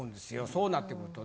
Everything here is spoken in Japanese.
そうなってくると。